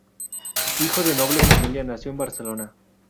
Hijo de noble familia nació en Barcelona.